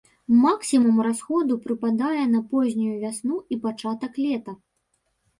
Максімум расходу прыпадае на познюю вясну і пачатак лета.